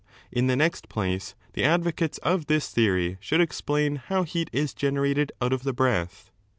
In the next place, the advocates of this theory should explain how heat is generated out of the breath.